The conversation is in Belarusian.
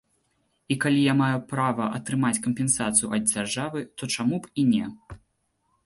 І калі я маю права атрымаць кампенсацыю ад дзяржавы, то чаму б і не.